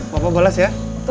papa bales ya